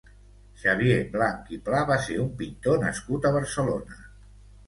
Xavier Blanch i Pla va ser un pintor nascut a Barcelona.